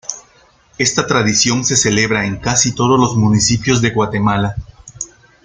Esta tradición se celebra en casi todos los municipios de Guatemala.